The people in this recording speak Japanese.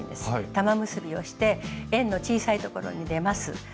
玉結びをして円の小さいところに出ます。